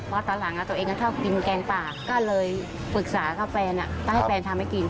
เพราะตอนหลังตัวเองก็เข้ากินแกงปลาก็เลยปรึกษาข้าวแฟนต้องให้แฟนทำให้กิน